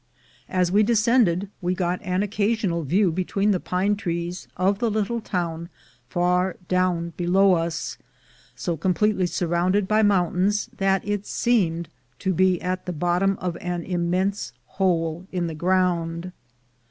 As we descended, we got an occasional view between the pine trees of the little town far down below us, so completely surrounded by mountains that it seemed to be at the bottom of an immense hole in the ground.